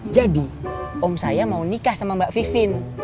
jadi om saya mau nikah sama mbak vivian